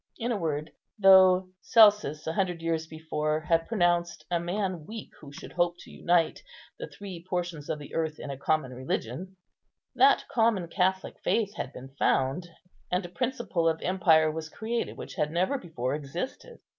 In a word, though Celsus a hundred years before had pronounced "a man weak who should hope to unite the three portions of the earth in a common religion," that common Catholic faith had been found, and a principle of empire was created which had never before existed.